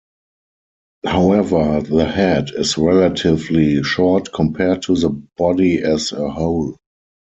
However, the head is relatively short compared to the body as a whole.